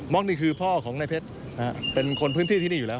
นี่คือพ่อของนายเพชรเป็นคนพื้นที่ที่นี่อยู่แล้ว